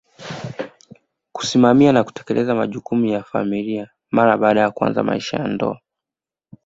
kusimamia na kutekeleza majukumu ya familia mara baada ya kuanza maisha ya ndoa